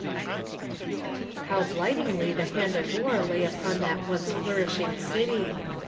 How blightingly the hand of war lay upon that once flourishing city!